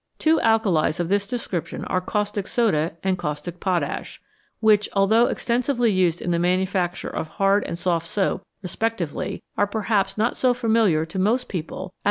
Two alkalis of this description are caustic soda and caustic potash, which, although extensively used in the manufacture of hard and soft soap respec tively, are perhaps not so familiar to most people as 88 i _ A, f e rmi* S ion o/ Siebe < Gorman & Co.